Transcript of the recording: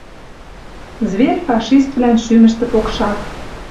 Зверь-фашиствлӓн шӱмӹштӹ покшак.